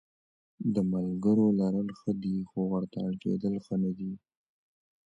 د ملګرو لرل ښه دي خو ورته اړ کېدل ښه نه دي.